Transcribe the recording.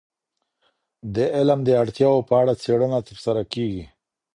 د علم د اړتیاوو په اړه څیړنه ترسره کیږي.